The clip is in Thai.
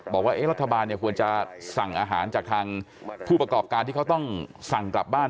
บอกว่ารัฐบาลควรจะสั่งอาหารจากทางผู้ประกอบการที่เขาต้องสั่งกลับบ้าน